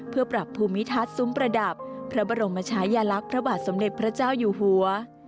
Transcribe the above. เพื่อปรับภูมิทัศน์ซุ้มประดับพระบรมชายลักษณ์พระบาทสมเด็จพระเจ้าอยู่หัว